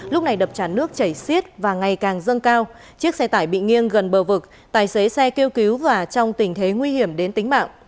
lúc này đập tràn nước chảy xiết và ngày càng dâng cao chiếc xe tải bị nghiêng gần bờ vực tài xế xe kêu cứu và trong tình thế nguy hiểm đến tính mạng